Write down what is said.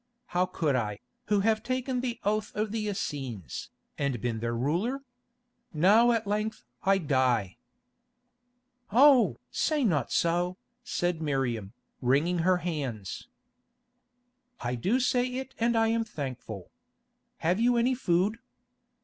How could I, who have taken the oath of the Essenes, and been their ruler? Now at length I die." "Oh! say not so," said Miriam, wringing her hands. "I do say it and I am thankful. Have you any food?"